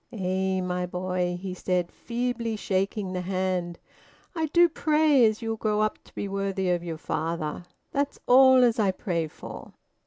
"Eh, my boy," he said, feebly shaking the hand, "I do pray as you'll grow up to be worthy o' your father. That's all as I pray for."